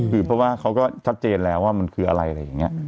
คือเพราะว่าเขาก็ชัดเจนแล้วว่ามันคืออะไรอะไรอย่างนี้